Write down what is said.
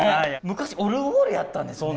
昔、オルゴールやったんすね。